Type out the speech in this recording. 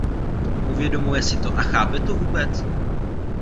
Uvědomuje si to a chápe to vůbec?